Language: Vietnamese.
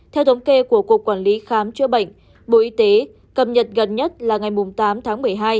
theo thống kê của cục quản lý khám chữa bệnh bộ y tế cập nhật gần nhất là ngày tám tháng một mươi hai